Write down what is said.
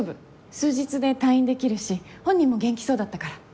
数日で退院できるし本人も元気そうだったから。